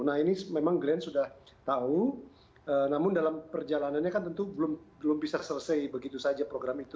nah ini memang glenn sudah tahu namun dalam perjalanannya kan tentu belum bisa selesai begitu saja program itu